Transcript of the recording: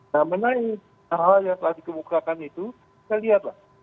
nah menai hal hal yang telah dikemukakan itu saya lihatlah